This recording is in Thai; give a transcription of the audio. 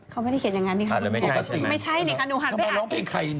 เขาไม่ได้เขียนอย่างนั้นดิค่ะ